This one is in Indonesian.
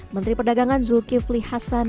menteri perdagangan zulkifli hasan